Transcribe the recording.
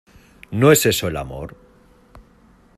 ¿ no es eso el amor?